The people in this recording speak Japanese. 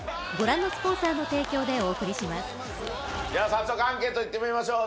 早速アンケートいってみましょう。